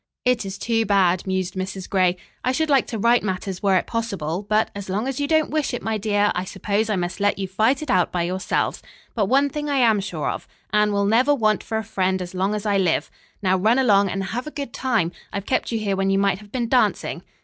"It is too bad," mused Mrs. Gray. "I should like to right matters were it possible, but as long as you don't wish it, my dear, I suppose I must let you fight it out by yourselves. But one thing I am sure of, Anne shall never want for a friend as long as I live. Now run along and have a good time. I've kept you here when you might have been dancing."